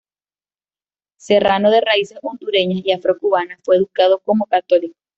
Serrano, de raíces hondureñas y afro-cubanas fue educado como católico.